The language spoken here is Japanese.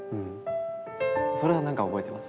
それはなんか覚えてます。